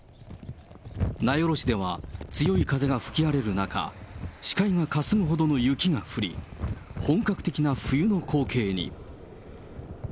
名寄市では強い風が吹き荒れる中、視界がかすむほどの雪が降り、本格的な冬の光景に。